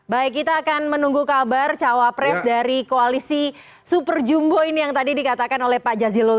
baik kita akan menunggu kabar cawapres dari koalisi super jumbo ini yang tadi dikatakan oleh pak jazilul